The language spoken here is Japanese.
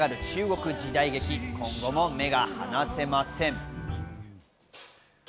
中国時代劇、今後も目が離せません。